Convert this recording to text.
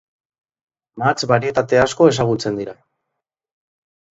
Mahats barietate asko ezagutzen dira.